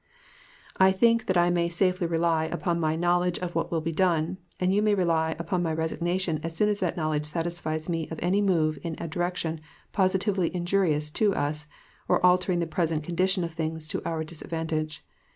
I think that I may safely rely upon my knowledge of what will be done, and you may rely upon my resignation as soon as that knowledge satisfies me of any move in a direction positively injurious to us, or altering the present condition of things to our disadvantage.